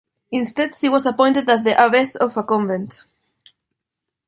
Instead she was appointed as the abbess of a convent.